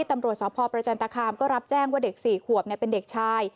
ตำรวจสพประจันตคามก็รับแจ้งว่าเด็ก๔ขวบเป็นเด็กชาย